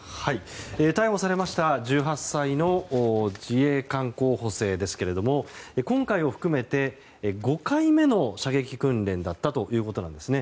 逮捕されました１８歳の自衛官候補生ですが今回を含めて５回目の射撃訓練だったということなんですね。